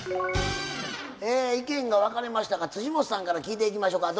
え意見が分かれましたが本さんから聞いていきましょか。